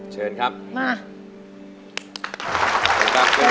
เชิญครับ